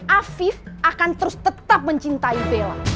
afif akan terus tetap mencintai bella